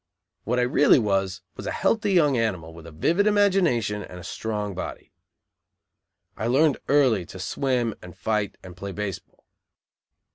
What I really was was a healthy young animal, with a vivid imagination and a strong body. I learned early to swim and fight and play base ball.